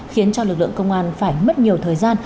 khiến cho lực lượng công an phải mất nhiều thời gian